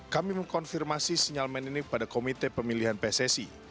kami mengkonfirmasi sinyal men ini pada komite pemilihan pesesi